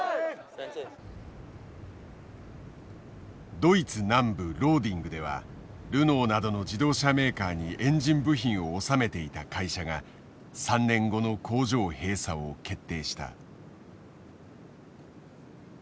ドイツ南部ローディングではルノーなどの自動車メーカーにエンジン部品を納めていた会社が３年後の工場閉鎖を決定した。